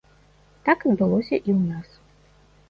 Так адбылося і ў нас.